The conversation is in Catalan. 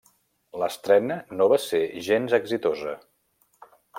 L'estrena no va ser gens exitosa.